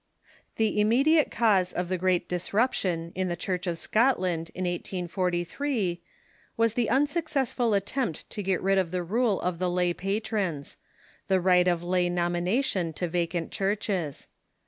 ] The immediate cause of the Great Disruption in the Church of Scotland, in 1843, M'as the unsuccessful attempt to get rid of the rule of the lay patrons — the ris^ht of lay nomina tion to vacant churches.